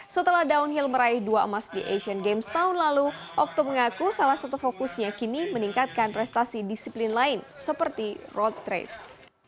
setelah downhill meraih dua emas di asian games tahun lalu okto mengaku salah satu fokusnya kini meningkatkan prestasi disiplin lain seperti road race